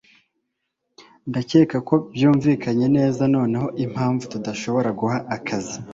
Ndakeka ko byumvikanye neza noneho impamvu tudashobora guha akazi